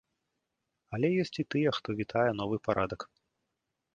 Але ёсць і тыя, хто вітае новы парадак.